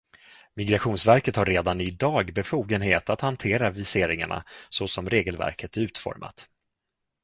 Migrationsverket har redan i dag befogenhet att hantera viseringarna så som regelverket är utformat.